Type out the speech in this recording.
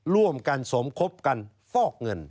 ร่วมกันสมคบกันฟอกเงิน